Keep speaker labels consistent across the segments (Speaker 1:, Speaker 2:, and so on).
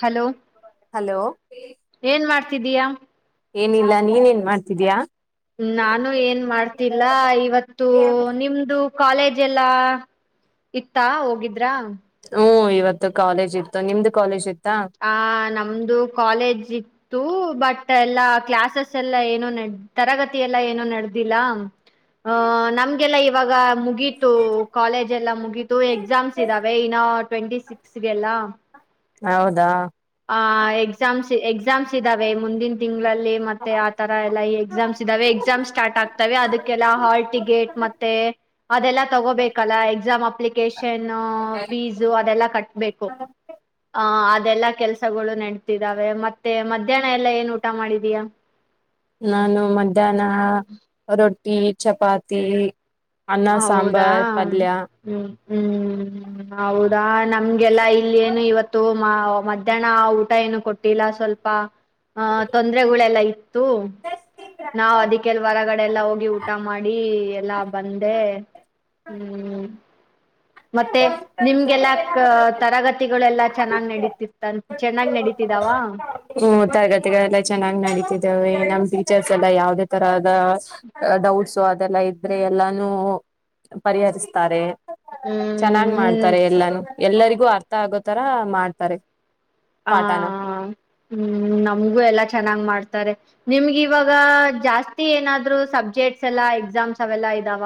Speaker 1: Hello
Speaker 2: hello
Speaker 1: ಏನ್ ಮಾಡ್ತಿದ್ಯ.
Speaker 2: ಏನಿಲ್ಲ ನೀನ್ ಎನ್ ಮಾಡ್ತಿದ್ಯ.
Speaker 1: ನಾನು ಏನ್ ಮಾಡ್ತಿಲ್ಲ ಇವತ್ತು ನಿಮ್ದು. ಕಾಲೇಜ್ ಎಲ್ಲಾ ಇತ್ತಾ ಹೋಗಿದ್ರ.
Speaker 2: ಹ್ಮ್ ಇವತ್ತು ಕಾಲೇಜ್ ಇತ್ತು ನಿಮ್ದು ಕಾಲೇಜ್ ಇ
Speaker 1: ಆ ನಮ್ದು ಕಾಲೇಜ್ ಇತ್ತು. ಬಟ್ ಎಲ್ಲಾ ಕ್ಲಾಸಸ್ ಎಲ್ಲಾ ಏನೋ ತರಗತಿ ಎಲ್ಲ ಏನೋ ನೆಡ್ದಿಲ್ಲ. ಅ ನಮ್ಗೆಲ್ಲ ಇವಾಗ ಮುಗೀತು ಕಾಲೇಜ್ ಎಲ್ಲ ಮುಗೀತು ತು ಎಕ್ಸಾಮ್ಸ್ ಇದ್ದಾವೆ ಇನ್ನ ಟ್ವೆಂಟಿ ಸಿಕ್ಸ್ಗೆಲ್ಲ.
Speaker 2: ಹೌದಾ
Speaker 1: ಆ ಎಕ್ಸಾಮ್ಸ್ ಎಕ್ಸಾಮ್ಸ್ ಇದ್ದಾವೆ ಮುಂದಿನ ತಿಂಗ - - ಮತ್ತೆ ಆ ತರ ಎಲ್ಲ ಎಕ್ಸಾಮ್ಸ್ ಇದ್ದಾವೆ ಎಕ್ಸಾಮ್ ಸ್ಟಾರ್ಟ್ ಆಗ್ತವೆ ಅದಕ್ಕೆಲ್ಲ ಹಾಲ್ ಟಿಕೆಟ್ ಮತ್ ತೆ ಅದೆಲ್ಲಾ ತಗೋಬೇಕಲ್ಲ ಎಕ್ಸಾಮ್ ಅಪ್ಲಿಕೇಶನ್ನು ಫೀಸು ಅದೆಲ್ಲಾ ಕಟ್ಟಬೇಕ್
Speaker 2: [unintelligible]
Speaker 1: ಹಾ ಅ ಅದೆಲ್ಲಾ ಕೆಲ್ಸಗಳು ನೆಡಿತಿದಾವೆ ಮತ್ತೆ ಮಧ್ಯಾಹ್ನ ಎಲ್ಲ ಏನ್ ಊಟ ಮಾಡಿದೀಯಾ.
Speaker 2: ನಾನು ಮಧ್ಯಾಹ್ನ ರೊಟ್ಟಿ ಚಪಾತಿ, ಅನ್ನ
Speaker 1: ಹೌದಾ
Speaker 2: ಸಾಂಬಾರ್ ಪಲ್ಯ
Speaker 1: ಹ್ಮ್ ಹ್ಮ್ ಹೌದಾ ನಮ್ಗೆಲ್ಲಾ ಇಲ್ ಏನು ಇವತ್ತು. ನಾವ್ ಮಧ್ಯಾನ ಊಟ ಏನು ಕೊಟ್ಟಿಲ್ಲ ಸ್ವಲ್ಪ ತೊಂದ್ರರೆಗಳೆಲ್ಲ ಇ ಇತ್ತು ನಾವ್ ಅದಿಕ್ಕೆಲ್ವರಗಡೆ ಎಲ್ಲಾ ಹೋಗಿ ಊಟ ಮಾಡಿ ಎಲ್ಲಾ ಬಂದ್ ಎ ಹ್ಮ್ ಮತ್ತೆ ನಿಮ್ಗೆಲ್ಲ ಕ್ ತರಗತಿಗಳೆಲ್ಲಾ ಚೆನ್ನಾಗ್ ನಡೀತಿರ್ತ್ತಂತ ಚೆನ್ನಾಗ್ ನಡೀತಿದಾವ.
Speaker 2: ಹ್ಮ್ ತರಗತಿಗಳೆಲ್ಲ ಚೆನ್ನಾಗ್ ನಡತಿದ್ದೇವೆ ನಮ್ಮ್ ಟೀಚರ್ಸ್ ಎಲ್ಲ ಯಾವದೇ ತರದ - ಡೌಟ್ಸು ಅದೆಲ್ಲಾ ಇದ್ರೆ ಎಲ್ಲಾನು ಪರಿಹರ್ಸ್ತಾರೆ. ಚೆನ್ನಾಗ್
Speaker 1: ಹ್ಮ್
Speaker 2: ಮಾಡ್ತಾರೆ ಎಲ್ಲಾನು ಎಲ್ಲರಿಗೂ ಅರ್ಥ ಆಗೋತರ ಮಾಡ್ತಾರೆ.
Speaker 1: ಹಾ
Speaker 2: ಪಾಠನ
Speaker 1: ಹ್ಮ್ ನಮ್ಗೂ ಎಲ್ಲಾ ಚೆನ್ನಾಗ್ ಮಾಡ್ತಾರೆ ನಿಮ್ಗೆ ಇವಾಗ ಜಾಸ್ತಿ ಏನಾದ್ರೂ ಸ [unintelligible] ಎಲ್ಲಾ ಎಕ್ಸಾಮ್ಸ್ ಅವೆಲ್ಲಾ ಇದಾವ.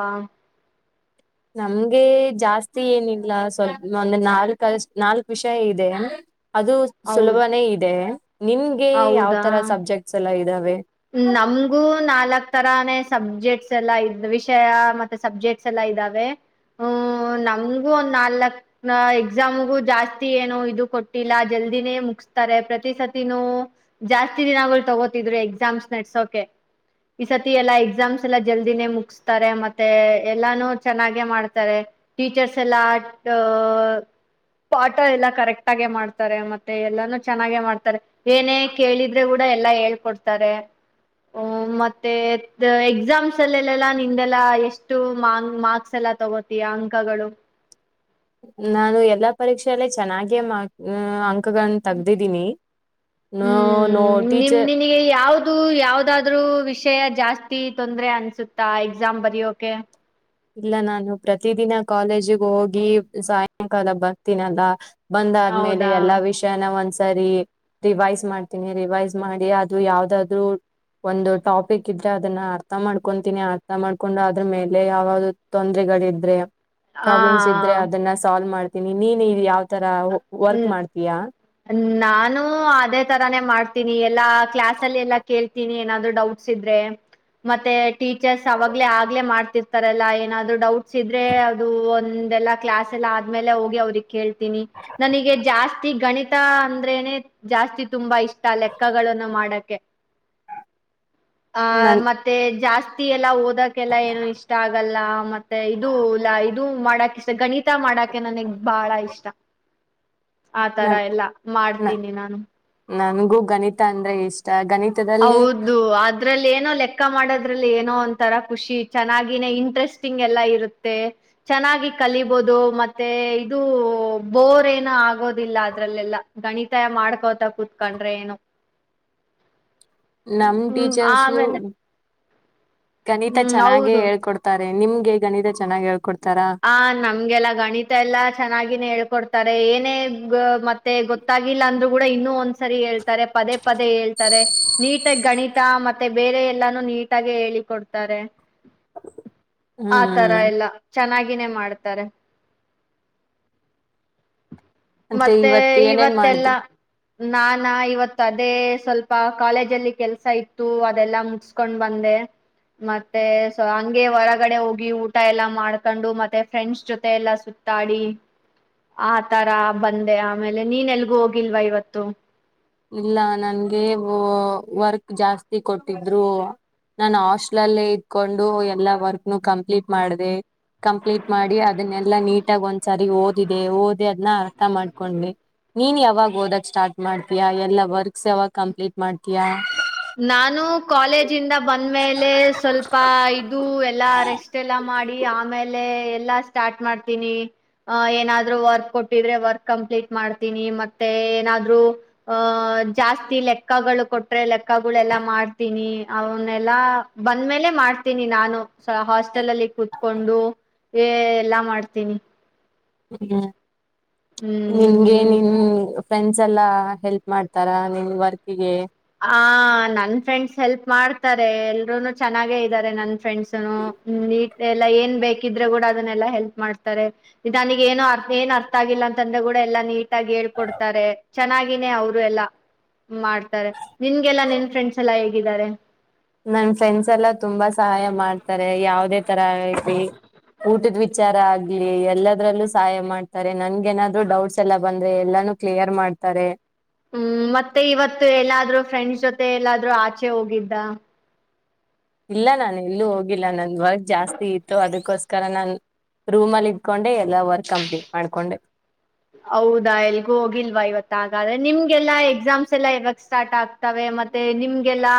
Speaker 2: ನಮ್ಗೆ ಜಾಸ್ತಿ ಏನಿಲ್ಲ ಸ್ವಲ್ಪ ಒಂದು ನಾಲ್ಕ ನಾಲ್ಕ್ ವಿಷ್ಯ ಇದೆ. ಅದು
Speaker 1: ಹೌದ್
Speaker 2: ಸುಲ್ಬನೆ ಇದೆ ನಿಮ್ಗೆ ಯಾವ ತರ ಸಬ್ಜೆಕ್ಟ್ಸ್ ಎಲ್ಲ ಇದ್ದಾವೆ.
Speaker 1: ನಮಗೂ ನಾಲ್ಕ್ ತರಾನೇ ಸಬ್ಜೆಕ್ಟ್ ಸ್ ವಿಷಯ ಮತ್ತೆ ಸಬ್ಜೆಕ್ಟ್ಸ್ ಎಲ್ಲ ಇದಾವೆ. ಹ್ಮ ನಮ್ಗು ಒಂದ್ ನಾಲ್ಕ್ ಎಕ್ಸಾಮ್ಗು ಜಾಸ್ತಿ ಏನು ಇದು ಕೊಟ್ಟಿಲ್ಲ ಜಲ್- ದಿನೆ ಮುಗ್ಸ್ತಾರೆ ಪ್ರತಿಸತಿನು ಜಾಸ್ ದಿನಗಳ್ ತಗೋತಿದ್ರು - ಸಮ್ಸ್ ನೆಡ್ಸೂಕೆ ಈ ಸತಿ ಎಲ್ಲಾ ಎಕ್ಸಾಮ್ಸ್ ಎಲ್ಲ ಜಲ್ದಿನೇ ಮುಗಸ್ತಾರೆ ಮತ್ತೆ ಎಲ್ಲಾನು ಚೆನ್ನಾಗೆ ಮಾಡ್ತಾರೆ. ಟೀಚರ್ಸ್ ಎಲ್ಲ ಆಟ್ ಪಾಠ ಎಲ್ಲ ಕರೆಕ್ಟ್ ಆಗೆ ಮಾಡ್ತಾರೆ ಮತ್ತೆ ಎಲ್ಲಾನು ಚೆನ್ನಾಗೆ ಮಾಡ್ತಾರೆ ಏನೇ ಕೇಳಿದ್ರೆ ಕೂಡ ಎಲ್ಲಾ ಹೇಳ್ಕೊಡ್ತಾರೆ ಹ ಮತ್ತೆ ಎಕ್ಸಾಮ್ಸ್ ಅಲ್ಲಲ್ಲೆಲ್ಲಾ ನಿಂದೆಲ್ಲಾ ಎಷ್ಟು ಮಾರ್ಕ್ಸ್ ಎಲ್ಲ ಎಲ್ಲ ತಗೋತಯ ಅಂಕಗಳು
Speaker 2: ನಾನು ಎಲ್ಲಾ ಪರೀಕ್ಷೆಯಲ್ಲೇ ಚೆನ್ನಾಗೇ ಅಂಕಗಳನ್ನ ತಗ್ದಿದ್ದೀನಿ
Speaker 1: ಹ್ಮ್ ನಿಮ್ ನಿನಗೆ ಯಾವ್ದ ಯಾವದಾದ್ ವಿಷಯ ವಿಷಯ ಜಾಸ್ತಿ ತೊಂದ್ರ ಅನ್ಸುತ್ತಾ ಎಕ್ಸಾಮ್ ಬರಯೋಕೆ
Speaker 2: ಇಲ್ಲ ನಾನು ಪ್ರತಿದಿನ ಕಾಲೇಜಿಗೆ ಹೋಗಿ ಸಾಯಂಕಾಲ ಬರ್ತೀನಲ್ಲ ಬಂದಾದ್ಮೇಲೆ
Speaker 1: ಹೌದಾ
Speaker 2: ಎಲ್ಲಾ ವಿಷಯನ ಒಂದಸ ಸರಿ ರಿವೈಸ್ ಮಾಡ್ತೀನಿ ರಿವೈಸ್ ಮಾಡಿ ಅದು ಯಾವ್ದಾದ್ರು ಒಂದು ಟಾಪಿಕ್ ಇದ್ರೆ ಅದನ್ನ ಅರ್ಥ ಮಾಡ್ಕೊತೀನಿ ಅರ್ಥ ಮಾಡ್ಕೊಂಡು ಅದ್ರ ಮೇಲೆ ಯಾವ ತೊಂದರೆಗಳ ಇದ್ರೆ
Speaker 1: ಹ
Speaker 2: ಪ್ರಾಬ್ಲಮ್ಸ್ ಇದ್ರೆ ಅದನ್ನ ಸಾಲ್ವ್ ಮಾಡ್ತೀನಿ ನೀನ್ ಯ ತರ ವರ್ಕ್
Speaker 1: ಹ್ಮ್
Speaker 2: ಮಾಡ್ತೀಯಾ
Speaker 1: ನಾನು ಅದೇ ತರಾನೇ ಮಾಡ್ತೀನಿ ಎಲ್ಲಾ ಕ್ಲಾಸ್ ಅಲ್ಲಿ ಎಲ್ಲಾ ಕೇಳ್ತೀನಿ ಏನಾದ್ ಡೌಟ್ಸ್ ಇದ್ರೆ ಮತ್ತೆ ಟೀಚರ್ಸ್ ಅವಾಗ್ಲೇ ಆಗ್ಲೇ ಮಾಡ್ತಿರ್ತಾರಲ್ಲ ಏನಾದ್ ಡೌಟ್ ಸಿದ್ರೆ ಅದು ಒಂದೆಲ್ಲ ಕ್ಲಾಸ್ ಎಲ್ಲ ಆದ್ಮೇಲೆ ಹೋಗಿ ಅವ್ರಗ್ ಕೇಳ್ತೀನಿ ನನಗೆ ಜಾಸ್ತಿ ಗಣಿತ ಅಂದ್ರೇನೆ ಜಾಸ್ತಿ ತುಂಬಾ ಇಷ್ಟ ಲೆಕ್ಕಗಳಗಳನ್ನು ಮಾಡಕ್ ಆ
Speaker 2: ನನ್
Speaker 1: ಮತ್ತೆ ಜಾಸ್ತಿ ಎಲ್ಲ ಓ ಅದಕ್ಕೆಲ್ಲ ಏನು ಇಷ್ಟ ಆ ಆಲ್ಲ ಮತ್ತೆ ಇದು ಲಾ ಇದು ಮಾಡಕ್ ಇಷ್ಟ ಗಣಿತ ಮಾಡಕೆ ನನಗ್ ಬಾಳ ಇಷ್ಟ ಆ ತರ
Speaker 2: ನನ್
Speaker 1: ಎಲ್ಲಾ
Speaker 2: ನ-
Speaker 1: ಮಾಡ್ತೀನಿ ನಾನು
Speaker 2: ನನ್ಗೂ ಗಣಿತ ಅಂದ್ರೆ ಇಷ್ಟ ಗಣಿತದಲ್ಲಿ
Speaker 1: ಹೌದು ಅದ್ರಲ್ಲಿ ಏನೋ ಲೆಕ್ಕ ಮಾಡೋದ್ರಲ್ಲಿ ಏನೋ ಒಂಂತರ ಖುಷಿ ಇತ್ತು ಚೆನ್ನಾಗಿ ಇಂಟ್ರೆಸ್ಟಿಂಗ್ ಎಲ್ಲ ಇರುತ್ತೆ ಚೆನ್ನಾಗಿ ಕಲಿಬೋದು ಮತ್ತೆ ಇದು ಬೋರ್ ಏನು ಆಗೋದಿಲ್ಲ ಅದ್ರಲ್ಲೆಲ್ಲ ಗಣಿತಾಯ ಮಾಡ್ಕೋತಾ ಕುೂತ್ಕೊಂಡ್ರೆ ಏನು
Speaker 2: ನಮ
Speaker 1: ಹ್ಮ್
Speaker 2: ಟೀಚರ್ಸ
Speaker 1: ಆಮೇಲೆ
Speaker 2: ಗಣಿತ
Speaker 1: ಹ್ಮ್
Speaker 2: ಚೆನ್ನಾಗೆ
Speaker 1: ಹೌದು
Speaker 2: ಹೇಳ್ಕೊಡ್ತಾರೆ ನಿಮ್ಗೆ ಗಣಿತ ಚೆನ್ನಾಗ್ ಹೇಳ್ಕೊಡ್ತಾರೆ
Speaker 1: ಆ ನಮ್ಗೆಲ್ಲಾ ಗಣಿತ ಎಲ್ಲಾ ಚೆನ್ನಾಗಿನೇ ಹೇಳ್ಕೊಡ್ತ ತಾರೆ ಏನೇ ಮತ್ತೆ ಗೊತ್ತಾಗಿಲ್ಲ ಅಂದ್ರು ಕೂಡ ಇನ್ನೂ ಒಂದ್ಸರಿ ಹೇಳ್ತಾರೆ ಪದೇ ಪದೇ ಹೇಳ್ತಾರೆ ನೀಟ ಗಣಿತ ಮತ್ತೆ ಬೇರೆ ಎಲ್ಲಾನು ನೀಟಾಗೆ ಹೇಳಿ ಕೊಡ್ತಾರೆ ಆ ತರ
Speaker 2: ಹ್ಮ್
Speaker 1: ಎಲ್ಲ ಚೆನ್ನಾಗಿನೇ ಮಾಡ್ತಾರೆ ಮತ್ತೆ
Speaker 2: ಇವತ್ ಏನೇನ್ ಮಾಡ್ದೆ
Speaker 1: ಇವತ್ತೆಲ್ಲಾ ನಾನ ಇವತ್ ಅದೇ ಸ್ವಲ್ಪ ಕಾಲೇಜ ಅಲ್ಲಿ ಕೆಲ್ಸ ಇತ್ತು ಅದೆಲ್ಲಾ ಮುಟ್ಸ್ಕೊಂಡ್ ಬಂದೆ ಹ ಮತ್ತೆ ಸ ಹಂಗೆ ಹೊರಗಡೆ ಹೋಗಿ ಊಟ ಎಲ್ಲಾ ಮಾಡ್ಕೊಂಡು ಮತ್ತೆ ಫ್ರೆಂಡ್ಸ್ ಜೊತೆ ಎಲ್ಲ ಸ ತಾಡಿ ಆ ತಾರ ಬಂದೆ ಆಮೇಲೆ ನೀನ್ ಎಲ್ಗೂ ಹೋಗಿಲ್ವಾ ಇವತ್ತು
Speaker 2: ಇಲ್ಲ ನನ್ಗೆ ವ ವರ್ಕ್ ಜಾಸ್ತಿ ಕೊಟ್ಟಿದ್ರು ನಾನ ಹಾಸ್ಟೆಲ್ಲ್ಲೇ ಇದಕೊಂಡು ಎಲ್ಲಾ ವರ್ಕ್ನು ಕಂಪ್ಲೀಟ್ ಮಾಡಿದೆ ಕಂಪ್ಲೀಟ್ ಮಾಡಿ ಅದನ್ನೆಲ್ಲಾ ನೀಟಾಗಿ ಒಂದ್ಸರಿ ಓದಿದೆ ಓದಿ ಅದನ್ನ ಅರ್ಥ ಮಾಡ್ಕೊಂಡಿ ನೀನ್ ಯಾವಾಗ ಓದಕ್ ಸ್ಟಾರ್ಟ್ ಮಾಡ್ತೀಯಾ ಎಲ್ಲಾ ವರ್ಕ್ಸ್ ಯಾವಾಗ ಕಂಪ್ಲೀಟ್ ಮಾಡ್ತೀಯಾ
Speaker 1: ನಾನು ಕಾಲೇಜ ಇದ ಬಂದ್ಮೇಲೆ ಸ್ವಲ್ಪ ಇದು ಎಲ್ಲಾ ರೆಸ್ಟ್ ಎಲ್ಲ ಮಾಡ ಆಮೇಲೆ ಎಲ್ಲಾ ಸ್ಟಾರ್ಟ್ ಮಾಡ್ತೀನಿ ಏನಾದ್ರು ವರ್ಕ್ ಕೊಟ್ಟಿದ್ರೆ ವರ್ಕ್ ಕಂಪ್ಲೀಟ್ ಮಾಡ್ತನಿ ಮತ್ತೆ ಏನಾದ್ರು ಆ ಜಾಸ್ತಿ ಲೆಕ್ಕಗಳು ಕೊಟ್ಟ್ರೆ ಪಕ್ಕಗಳೆಲ್ಲಾ ಮಾಡ್ತೀನಿ ಅವನ್ನಲ್ಲಾ ಬಂದ್ಮೇಲೆ ಮಾಡ್ತೀನಿ ನಾನು ಹಾಸ್ಟೆಲ್ ಅಲ್ಲಿ ಕುೂತ್ಕೊಂಡು ಏ ಎಲ್ಲಾ ಮಾಡ್ತೀನಿ
Speaker 2: ಹ್ಮ್ ನಿಮಗೆ
Speaker 1: ಹ್ಮ್
Speaker 2: ನಿನ್ ಫ್ರೆಂಡ್ಸ್ ಎಲ್ಲಾ ಹೆಲ್ಪ್ ಮಾಡ್ತಾರ ನಿಮ್ ವರ್ಕ್ ಗೆ
Speaker 1: ಹ ನನ್ ಫ್ರೆಂಡ್ಸ್ ಹೆಲ್ಪ್ ಮಾಡ್ತಾರೆ ಎಲ್ರೂ ಚೆನ್ನಾಗೆ ಇದ್ದಾರೆ ನನ್ ಫ್ರೆಂಡ್ಸನ ನೀಟ್ ಎಲ್ಲಾ ಏನ್ ಬೇಕಿದ್ರೆ ಕೂಡ ಅದನ್ನೆಲ್ಲಾ ಹೆಲ್ಪ್ ಮಾಡ್ತಾರೆ ನನಗ ಏನ ಅ ಏನ್ ಅರ್ಥ ಆಗಿಲ್ಲ ಅಂತಂದ್ರೆ ಕೂಡ ಎಲ್ಲಾ ನೀಟಾಗಿ ಹೇಳ್ಕೊಡ್ತಾರೆ ಚೆನ್ನಾಗಿಿನೇ ಅವರು ಎಲ್ಲಾ ಮಾಡ್ತಾರೆ ನಿನ್ಗೆಲ್ಲಾ ನಿೆನ್ ಫ್ರೆಂಡ್ಸ್ ಎಲ್ಲಾ ಹೇಗಿದ್ದಾರೆ
Speaker 2: ನನ್ ಫ್ರೆಂಡ್ಸ್ ಎಲ್ಲ ತುಂಬಾ ಸಹಾಯ ಮಾಡ್ತಾರೆ ಯಾವದೇ ತರ ಆಗ್ಲಿ ಊಟದ ವಿಚಾರ ಆಗ್ಲಿ ಎಲ್ಲದರಲ್ಲೂ ಸಹಾಯ ಮಾಡ್ತಾರೆ ನನ್ ನಾದ್ರು ಡೌಟ್ಸ್ ಎಲ್ಲ ಬಂದ ಎಲ್ಲಾನು ಕ್ಲಿಯರ್ ಮಾಡ್ತಾರೆ
Speaker 1: ಹ್ಮ್ ಮತ್ತೆ ಇವತ್ತು ಎಲ್ಲಾದ್ ಫ್ರೆಂಡ್ಸ್ ಜೊತೆ ಎಲ್ಲಾದ್ರೂ ಆಚೆ ಹೋಗಿದ್ದ
Speaker 2: ಇಲ್ಲ ನಾನು ಎಲ್ಲೂ ಹೋಗಿಲ್ಲ ನನ್ ವರ್ಕ್ ಜಾಸ್ತಿ ಇತ್ತು ಅದಕ್ಕೋಸ್ಕರ ರ ನನ್ ರೂಮ್ ಅಲ್ಲಿ ಇಟ್ಕೊಂಡೆ ಎಲ್ಲಾ ವರ್ಕ್ ಕಂಪ್ಲೀಟ್ ಮಾಡ್ಕೊಂಡೆ
Speaker 1: ಹೌದಾ ಎಲ್ಗೂ ಹೋಗಿಲ್ವಾ ಇವತ್ ಹಾಗಾದ್ರೆ ನಿಮ್ಗೆಲ್ಲಾ ಎಕ್ಸಾಮ್ಸ್ ಎಲ್ಲಾ ಇಾವಾಗ ಸ್ಟಾರ್ಟ್ ಆಗ್ತವೆ ಮತ್ತೆ ಮತ್ತೆ ನಿಮ್ಗೆಲ್ಲಾ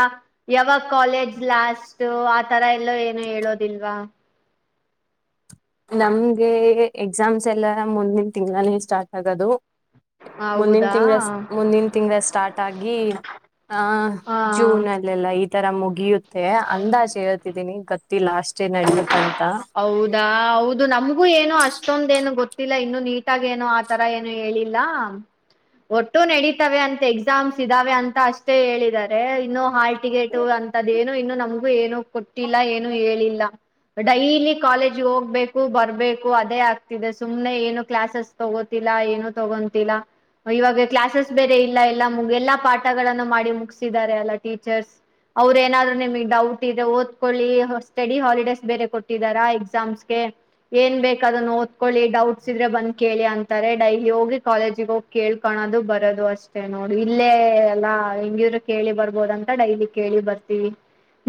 Speaker 1: ಯಾವಾಗ ಕಾಲೇಜ್ ಲಾಸ್ಟ್ ಆತರ ಎಲ್ಲೋ ಏನು ಹೇಳೋದಿಲ್ವಾ
Speaker 2: ನಮ್ಗೆ ಎಕ್ಸಾಮ್ಸ್ ಎಲ್ಲ ಮುಂದಿನ ತಿಂಗಳನೇ ಸ್ಟಾರ್ಟ್ ಆಗೋದು ಮುಂದಿನ
Speaker 1: ಹೌದಾ
Speaker 2: ತಿಂಗಗಳ ಮುಂದಿನ ತಿಂಗಗಳ ಸ್ಟಾರ್ಟ್ ಆಗಿ ಹ
Speaker 1: ಹ
Speaker 2: ಜೂನ್ ಅಲ್ಲೆಲ್ಲ ಈ ತರ ಮುಗಿಯುತ್ತೆ ಅಂದಾಜ ಹೇಳ್ತಿದ್ದೀನಿ ಗತ್ತು ಲ ಅಷ್ಟ ಏ ನಡತ್ತಂತ
Speaker 1: ಹೌದಾ ಹೌದ ಇದು ನಮ್ಗೂ ಏನೋ ಅಷ್ಟೊಂದ ಏನು ಗೊತ್ತಿಲ್ಲ ಇನ್ನು ನೀಟಾಗ ಏನೋ ಆತರ ಏನು ಹೇಳಿಲ್ಲ ಒಟ್ಟು ನಡತವೆ ಅಂತ ಎಕ್ಸಾಮ್ಸ್ ಇದ್ದಾವೆ ಅಂತ ಅಷ್ಟೇ ಹೇಳಿದಿದ್ದಾರೆ ಇನ್ನುೂ ಹಾಲ್ ಟಿಕೆಟ ಅಂತದೇನು ಇನ್ನು ನಮಗೂ ಏನು ಕೊಟ್ಟಿಲ್ಲ ಏನು ಹೇಳಿಲ್ಲ ಡೈಲಿ ಕಾಲೇಜ್ ಹೋಗ್ಬೇಕು ಬರ್ಬೇಕು ಅದೇ ಆಗ್ತಿದೆ ಸುಮ್ನೆ ಏನು ಕ್ಲಾಸಸ್ ತಗೋತಿಿಲ್ಲ ಏನು ತೊಗೊಂತಿಲ್ಲಾ ಇವಾಗ ಕ್ಲಾಸಸ್ ಬೇರೆ ಇಲ್ಲ ಎಲ್ಲಾ ಮುಗ ಎಲ್ಲಾ ಪಾಠಗಳಗಳನ್ನು ಮಾಡಿ ಮುಗಸಿದಿದ್ದಾರೆ ಅಲ್ಲ ಟೀಚರ್ಸ್ ಅವ್ರ ಏನಾದ್ರು ನಿಮಗ್ ಡೌಟ್ ಇದೆ ಓದ್ಕೊಳ್ಳಿ ಸ್ಟಡಿ ಹಾಲಿಡೇಸ್ ಬೇರೆ ಕೊಟ್ಟಿದಾರಾ ಎಕ್ಸಾಮ್ಸ್ಗೆ ಏನ್ ಬೇಕ ಅದ ಓದ್ಕೊಳ್ಳಿ ಡೌಟ್ಸ್ ಇದ್ರೆ ಬಂದ್ ಕೇಳಿ ಅಂತಾರೆ ಡೈಲಿ ಹೋಗಿ ಕಾಲೇಜಿಗ ಹೋಗಿ ಕೇಳ್ಕೊಂಡ ಅದು ಬರದು ಅಷ್ಟೇ ನೋಡು ಇಲ್ಲೇ ಎಲ್ಲಾ ಹೆಂಗಿದ್ರು ಕೇಳಿ ಬರ್ಬೋದಂತ ಡೈಲಿ ಕೇಳಿ ಬರ್ತೀವಿ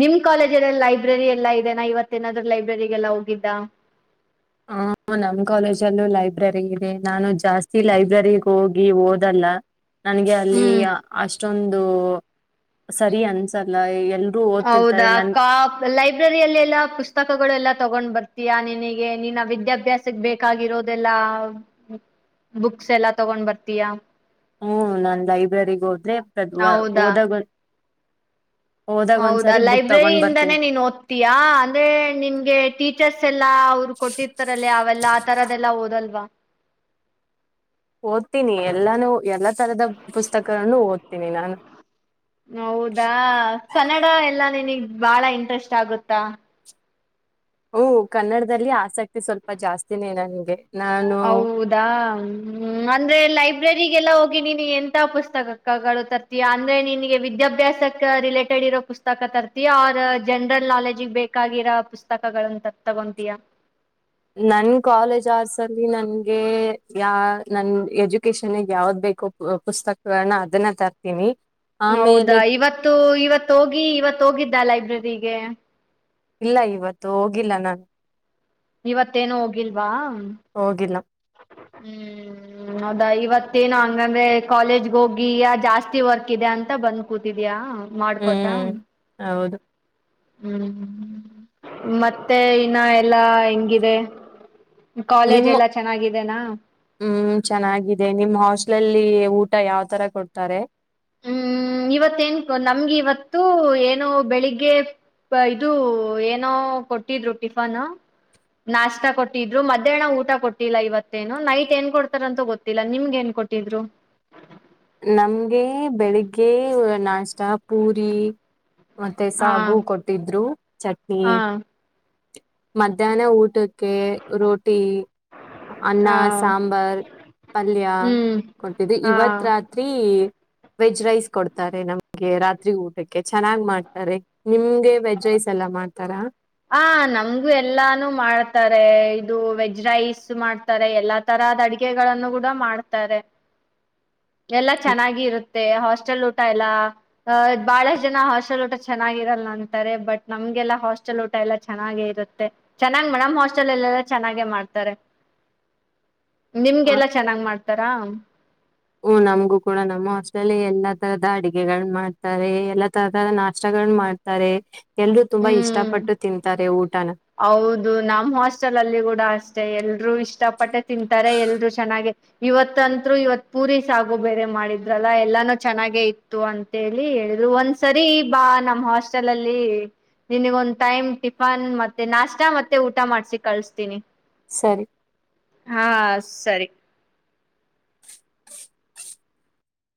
Speaker 1: ನಿಮ್ ಕಾಲೇಜಲ್ಲ ಲೈಬ್ರರಿ ಎಲ್ಲಾ ಇದೆನಾಾ ಇವತ್ತೇನಾದ್ ಲೈಬ್ರರಿಗೆಲ್ಲ ಹೋಗಿದ್ದ
Speaker 2: ಹ ನಮ್ ಕಾಲೇಜಲ್ಲೂ ಲೈಬ್ರರಿ ಇದೆ ನಾನು ಜಾಸ್ತಿ ಲೈಬ್ರರಿಗ್ ಹೋಗಿ ಓದಲ್ಲ ನನ್ಗೆ ಅಲ್ಲಿ
Speaker 1: ಹ್ಮ್
Speaker 2: ಅಷ್ಟೊಂದು ಸರಿ ಅನ್ಸಲ್ಲ ಎಲ್ರೂ ಓದ್ತಿರ್ತಾರೆ
Speaker 1: ಹೌದಾ
Speaker 2: ನನ್
Speaker 1: ಕ ಲೈಬ್ರರಿಯಲ್ಲಿ ಎಲ್ಲ ಪುಸ್ತಕಗಳು ಎಲ್ಲಾ ತಗೊಂಡ್ ಬರ್ತೀಯಾ ನಿನಗೆ ನೀನ್ನ ವಿದ್ಯಾಭ್ಯಾಸಕ್ಕೆ ಬೇಕಾಗಿರೋದೆಲ್ಲಾ ಬುಕ್ಸ್ ಎಲ್ಲಾ ತಗೊಂಡ್ ಬರ್ತೀಯಾ
Speaker 2: ಹ್ಮ ನನ್ ಲೈಬ್ರರಿಗ್ ಹೋದ್ರೆದ್
Speaker 1: ಹೌದಾ
Speaker 2: ಹೋದಾಗ
Speaker 1: ಹೌದಾ
Speaker 2: ತಗೊಂಡ್
Speaker 1: ಲೈಬ್ರರಿಯಿಂದಾನೇ
Speaker 2: ಬರ್ತೀನಿ
Speaker 1: ನೀನ್ ಓದ್ತಯಾ ಅಂದ್ರೆ ನಿಮಗೆ ಟೀಚರ್ಸ್ ಎಲ್ಲಾ ಅವರು ಕೊಟ್ಟಿರ್ತಾರಲ್ಲೇ ಅವೆಲ್ಲ ಆ ತರದೆಲ್ಲಾ ಓದಲ್ವಾ
Speaker 2: ಓದ್ತೀನಿ ಎಲ್ಲಾನು ನಿ ನಾನು
Speaker 1: ಹೌದಾ ಕನ್ನಡ ಎಲ್ಲ ನಿನಗ್ ಬಾಳ ಇಂಟ್ರೆಸ್ಟ್ ಆಗುತ್ತಾ
Speaker 2: ಹಓ ಕನ್ನಡದಲ್ಲಿ ಆಸಕ್ತಿ ಸ್ವಲ್ಪ ಜಾಸ್ತಿನೇ ನನ್ಗೆ ನಾನು
Speaker 1: ಹೌದಾ್ಮ ಅಂದ್ರೆ ಲೈಫ್ ಲೈಬ್ರರಿಗೆಲ್ಲ ಹೋಗಿ ನೀಿನ ಎಂ ಪುಸ್ತಕಗಳು ತರ್ತೀಯಾ ಅಂದ್ರೆ ನಿನಗೆ ವಿದ್ಯಾಭ್ಯಾಸಕ್ಕೆ ರಿಲೇಟೆಡ್ ಇರೋ ಪುಸ್ತಕ ತರ್ತೀಯ ಅವ ಜನರಲ್ ನಾಲೆಜ ಬೇಕಾಗಿರೋ ಪುಸ್ತಕಗಳನ್ನ ತಗೋತೀಯಾ ಹ
Speaker 2: ನನ್ ಕಾಲೇಜ್ ಅವರ್ಸ್ ಅಲ್ಲಿ ನನ್ಗೆ ಯ ನನ್ ಎಜುಕೇಶನ್ಗೆ ಯಾವ್ದ್ ಬ ಪುಸ್ತಕಗಳನ್ನ ಅದನ್ನ ತರ್ತೀನಿ ಆಮೇಲೆ
Speaker 1: ಹೌದಾ ಇವತ್ತು ಇವತ್ತು ಹೋಗಿ ಇವತ್ ಹೋಗಿದ್ದ ಲೈಬ್ರರಿಗೆ
Speaker 2: ಇಲ್ಲ ಇವತ್ತು ಹೋಗಿಲ್ಲ ನಾನು
Speaker 1: ಇವತ್ತೇನು ಹೋಗಿಲ್ವಾ ಹ್ಮ್
Speaker 2: ಹೋಗಿಲ್ಲ
Speaker 1: ಹೌದಾ ಇವತ್ತೇನು ಹಂಗಂದ್ರೆ ಕಾಲೇಜ್ಗ ಹೋಗಿ ಜಾಸ್ತಿ ವರ್ಕ್ ಇದೆ ಅಂತ ಬಂದ್ ಕೂತಿದಯಾ. ಮಾಡ್ಕೊತ,
Speaker 2: ಹ್ಮ್ ಹೌದು.
Speaker 1: ಹ್ಮ್ ಮತ್ತೆ ಇನ್ನ ಎಲ್ಲಾ ಹೆಂಗಿದೆ. ಕಾಲೇಜ್
Speaker 2: ನಿಮ್ಮ
Speaker 1: ಎಲ್ಲಾ ಚೆನ್ನಾಗಿದೆನಾ
Speaker 2: ಹ್ಮ ಚೆನ್ನಾಗಿದೆ. ನಿಮ್ಮ್ ಹಾಸ್ಟ್ಲಲ್ಲಿ ಊ ಟ ಯಾವ್ ತರ ಕೊಡ್ತಾರೆ.
Speaker 1: ಹ್ಮ್ ಇವತ್ತ ಏನ್ ನಮ್ಗೆ ಇವತ್ತು ಏನೊ ಬೆಳಿಗ್ಗೆ, ಇದು ಏನೋ ಕೊಟ್ಟಿದ್ರು ಟಿಫನ್. ನಾಷ್ಟ ಕೊಟ್ಟಿದ್ರು ಮಧ್ಯಾಹ್ನ ಊಟ ಕೊಟ್ಟಿಲ್ಲ. ಇವತ್ತೇನು ನೈಟ್ ಏನ್ ಕೊಡ್ತಾರಂತ ಗೊತ್ತಿಲ್ಲ. ನಿಮ್ಗೆ ಏನ್, ಕೊಟ್ಟಿದ್ರು.
Speaker 2: ನಮ್ಗೆ ಬೆಳಿಗ್ಗೆ ನಾಷ್ಟ ಪೂರಿ, ಮತ್ತೆ
Speaker 1: ಹಾ
Speaker 2: ಸಾಗು ಕೊಟ್ಟಿದ್ರು, ಚಟ್ನಿ,
Speaker 1: ಹಾ
Speaker 2: ಮಧ್ಯಾಹ್ನ ಊಟ, ಕೇ ರೋಟಿ, ಅನ್ನ,
Speaker 1: ಹಾ
Speaker 2: ಸಾಂಬಾರ್, ಪಲ್ಯ
Speaker 1: ಹ್ಮ್
Speaker 2: ಕೊಟ್ಟಿದ್ದು.
Speaker 1: ಹಾ
Speaker 2: ಇವತ್ ರಾತ್ರಿ, ವೆಜ್ ರೈಸ್ ಕೊಡ್ತಾರೆ ನಮ್ಗೆ ರಾತ್ರಿ ಊಟಕ್ಕೆ ಚೆನ್ನಾಗ್ ಮಾಡ್ತಾರೆ. ನಿಮ್ಗೆ ವೆಜ್ ರೈಸ್ ಎಲ್ಲ ಮಾಡ ಮಾಡ್ತಾರಾ,
Speaker 1: ಹ ನಮ್ಗು ಎಲ್ಲಾನು ಮಾಡ್ತಾರೆ. ಇದು ವೆಜ್ ರೈಸ್ ಮಾಡ್ತಾರೆ. ಎಲ್ಲಾ ತರದ ಅಡ ಗಳನ್ನು ಗೂಡ ಮಾಡ್ತಾರೆ ಎಲ್ಲ ಚೆನ್ನಾಗಿ ಇರುತ್ತೆ. ಹಾಸ್ಟೆಲ್, ಟಲ್ಲಾ ಅ ಬಹಳಷ್ಟ ಜನ ಹಾಸ್ಟೆಲ್ ಊಟ ಚೆನ್ನಾಗಿರಲ್ಲ ಅಂತಾರೆ. ಬಟ್ ನಮ್ಗೆಲ್ಲಾ ಹಾಸ್ಟೆ ಹಾಸ್ಟೆಲ್ ಊಟ ಎಲ್ಲ ಚೆನ್ನಾಗೆ ಇರುತ್ತೆ. ಚೆನ್ನಾಗೆ ಮೇಡ ಹಾಸ್ಟೆಲ್ ಎಲ್ಲೆಲ್ಲ ಚೆನ್ನಾಗೆ ಮಾಡ್ತಾರೆ. ನಿಮ್ಗೆಲ್ಲಾ ಚೆನ್ನಾಗ್ ಮಾಡ್ತಾರಾ.
Speaker 2: ಹ ನಮಗೂ ಕೂಡ ನಮ್ಮ ಹಸ್ಟ್ಲ್ಲಿ ಎಲ್ಲಾ ತರಹದ ಅಡಗೆಗಳನ್ನ ಮಾಡ್ತಾರೆ. ಎಲ್ಲಾ ತರದ ನಾಷ್ಟಗಳ ಮಾಡ್ತಾರೆ. ಎಲ್ರೂ ತುಂಬಾ
Speaker 1: ಹ್ಮ್
Speaker 2: ಇಷ್ಟಪಟ್ಟು ತಿಂತಾರೆ ಊಟನ
Speaker 1: ಹೌದು. ನಮ್ಮ್ ಹಾಸ್ಟೆಲ್ ಅಲ್ಲಿ ಗೂಡ ಅಸ ಎಲ್ರುೂ ಇಷ್ಟ ಪಟ್ಟೆ ತಿಂತಾರೆ. ಎಲ್ರು ಚೆನ್ನಾಗೆ, ಇವತ್ಂತ್ರು ಇವತ್ ಪೂರಿ, ಸಾಗು, ಬೇರೆ ಮಾಡಿದ್ರಲ್ಲ ಎಲ್ಲಾನೂ ಚೆನ್ನಾಗೆ ಇತ್ತು ಅಂತೇಳಿ, ಕೆಲವೊಂದ ಒಂದ್ಸರಿ ಬಾ ನಮ್ ಹಾಸ್ಟೆಲ್ ಅಲ್ಲಿ, ನಿನಗ ಒಂದ್ ಟೈಮ್ ಟಿಫನ್ ಮತ್ತೆ ನಾಷ್ಟಾ ಮತ್ತೆ, ಊಟ ಮಾಡ್ಸಿ ಕಳಸ್ತೀನಿ.
Speaker 2: ಸರಿ.
Speaker 1: ಹಾ ಸರಿ,